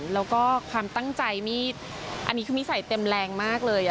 แล้วก็ความตั้งใจมีดอันนี้คือนิสัยเต็มแรงมากเลย